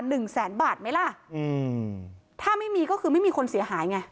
หนึ่งแสนบาทไหมล่ะอืมถ้าไม่มีก็คือไม่มีคนเสียหายไง